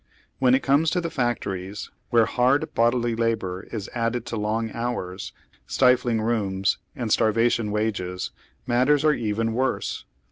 When it comes to the factories, where hard bod ily labor IS added to long hours, stifling rooms, and starva tion wages, matters are even worse.